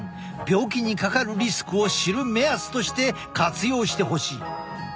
病気にかかるリスクを知る目安として活用してほしい。